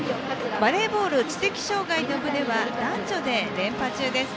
バレーボール知的障害の部では男女で連覇中です。